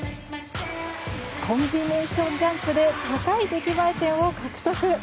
コンビネーションジャンプで高い出来栄え点を獲得。